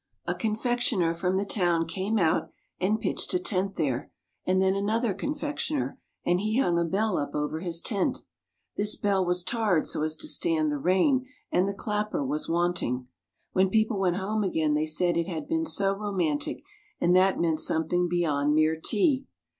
A confectioner from the town came out and pitched a tent there, and then another confectioner, and he hung a bell up over his tent. This bell was tarred so as to stand the rain, and the clapper was wanting. When people went home again they said it had been so romantic, and that meant something beyond mere tea.